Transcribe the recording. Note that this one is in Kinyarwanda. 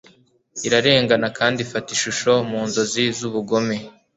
Irarengana kandi ifata ishusho mu nzozi zubugome